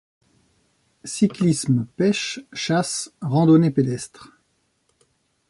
Cyclisme, pêche, chasse, randonnée pédestre...